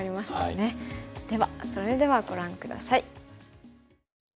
それではご覧下さい。